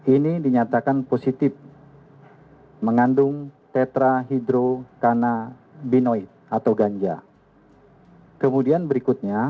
ini dinyatakan positif mengandung tetra hidro karena binoid atau ganja kemudian berikutnya